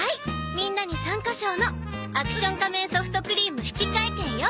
みんなに参加賞のアクション仮面ソフトクリーム引換券よ。